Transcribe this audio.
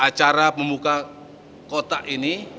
acara pembuka kotak ini